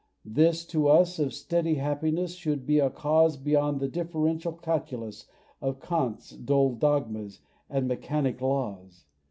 This to us Of steady happiness should be a cause Beyond the differential calculus Or Kant's dull dogmas and mechanic laws.